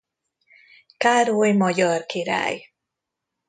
Károly magyar király.